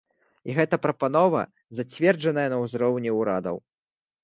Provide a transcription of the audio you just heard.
І гэта прапанова зацверджаная на ўзроўні ўрадаў.